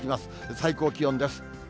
最高気温です。